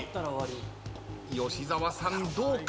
吉沢さんどうか？